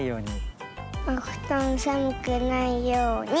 おふとんさむくないように！